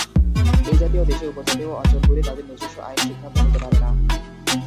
এই জাতীয় দেশে, উপ-জাতীয় অঞ্চলগুলি তাদের নিজস্ব আইন সিদ্ধান্ত নিতে পারে না।